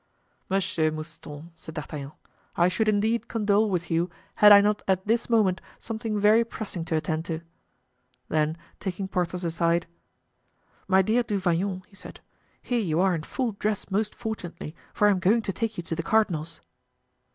"Monsieur Mouston," said D'Artagnan, "I should indeed condole with you had I not at this moment something very pressing to attend to." Then taking Porthos aside: "My dear Du Vallon," he said, "here you are in full dress most fortunately, for I am going to take you to the cardinal's."